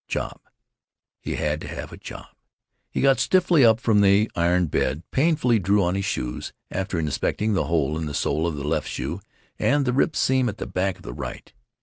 Job. He had to have a job. He got stiffly up from the iron bed, painfully drew on his shoes, after inspecting the hole in the sole of the left shoe and the ripped seam at the back of the right.